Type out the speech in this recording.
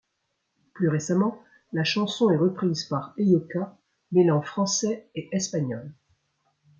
Plus récemment, la chanson est reprise par Heyoka, mêlant français et espagnol.